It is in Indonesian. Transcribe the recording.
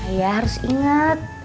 ayah harus ingat